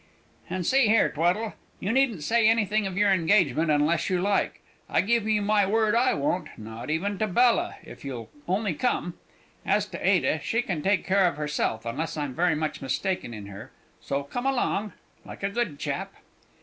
"And see here, Tweddle, you needn't say anything of your engagement unless you like. I give you my word I won't, not even to Bella, if you'll only come! As to Ada, she can take care of herself, unless I'm very much mistaken in her. So come along, like a good chap!"